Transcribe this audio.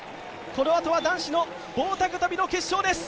このあとは男子の棒高跳の決勝です。